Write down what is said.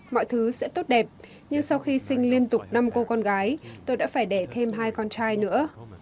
mọi thứ sẽ tốt đẹp nhưng sau khi sinh liên tục năm cô con gái tôi đã phải đẻ thêm hai con trai nữa